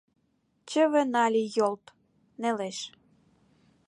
Чыве нале Йолт! нелеш.